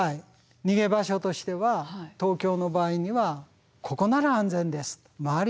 逃げ場所としては東京の場合にはここなら安全です周り